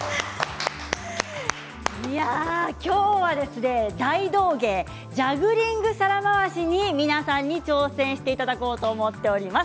今日は大道芸ジャグリング皿回しに皆さんに挑戦していただこうと思っております。